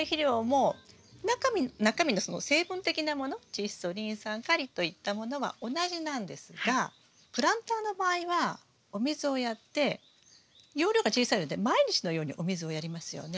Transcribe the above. チッ素リン酸カリといったものは同じなんですがプランターの場合はお水をやって容量が小さいので毎日のようにお水をやりますよね。